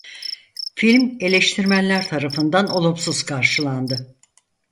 Film eleştirmenler tarafından olumsuz karşılandı.